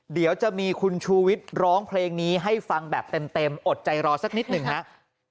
เดี๋ยวจะมีคุณชูวิทย์ร้องเพลงนี้ให้ฟังแบบเต็มอดใจรอสักนิดหนึ่งครับ